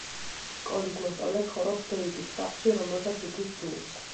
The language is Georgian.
სკოლის მოსწავლე, ცხოვრობს დეიდის სახლში, რომელსაც იგი სძულს.